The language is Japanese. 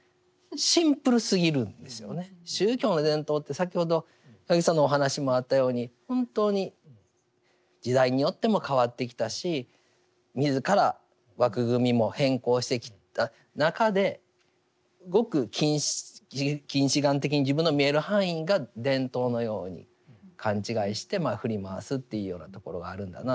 宗教の伝統って先ほど八木さんのお話にもあったように本当に時代によっても変わってきたし自ら枠組みも変更してきた中でごく近視眼的に自分の見える範囲が伝統のように勘違いして振り回すというようなところがあるんだな